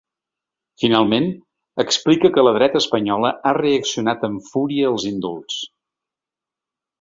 Finalment, explica que la dreta espanyola ha reaccionat amb fúria als indults.